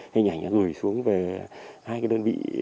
hình ảnh gửi xuống về hai đơn vị